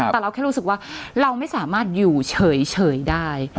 แต่เราแค่รู้สึกว่าเราไม่สามารถอยู่เฉยได้